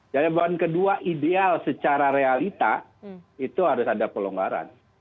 bahan kedua ideal secara realita itu harus ada pelonggaran